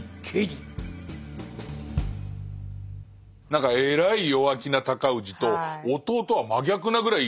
何かえらい弱気な尊氏と弟は真逆なぐらい